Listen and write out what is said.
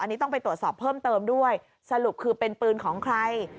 อันนี้ต้องไปตรวจสอบเพิ่มเติมด้วยสรุปคือเป็นปืนของใคร